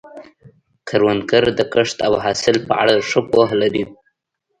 کروندګر د کښت او حاصل په اړه ښه پوهه لري